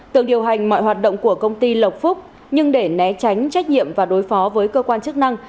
tường điều hành mọi hoạt động của công ty lộc phúc nhưng để né tránh trách nhiệm và đối phó với cơ quan chức năng